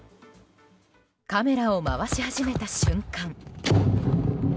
カメラを回し始めた瞬間。